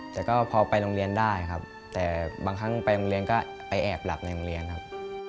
แต่ก็พอไปโรงเรียนได้ครับแต่บางครั้งไปโรงเรียนก็ไปแอบหลับในโรงเรียนครับ